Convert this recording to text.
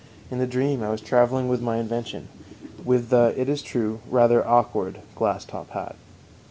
In the dream I was traveling with my invention, with the, it is true, rather awkward glass top hat.